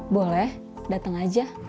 boleh dateng aja